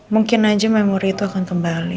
mungkin aja memori itu akan kembali